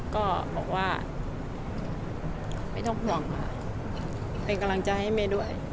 ก็บอกว่าไม่ต้องห่วงค่ะเป็นกำลังใจให้แม่ด้วย